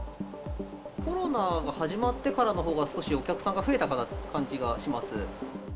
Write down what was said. コロナが始まってからのほうが、少しお客さんが増えたかなという感じがします。